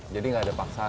jadi nggak ada paksaan ya